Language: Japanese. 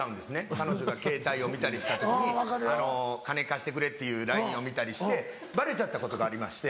彼女がケータイを見たりした時に「金貸してくれ」っていうＬＩＮＥを見たりしてバレちゃったことがありまして。